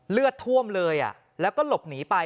เลือดท่วมเลยแล้วก็หลบหนีไป